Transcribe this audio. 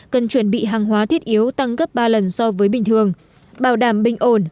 cần chuẩn bị hàng hóa thiết yếu tăng gấp ba lần so với bình thường bảo đảm bình ổn